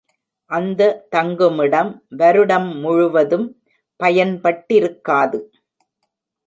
அந்த தங்குமிடம் வருடம் முழுதும் பயன்பட்டிருக்காது.